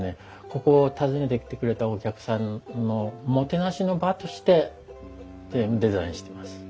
ここを訪ねてきてくれたお客さんのもてなしの場としてデザインしてます。